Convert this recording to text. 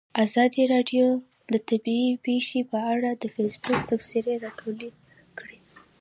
ازادي راډیو د طبیعي پېښې په اړه د فیسبوک تبصرې راټولې کړي.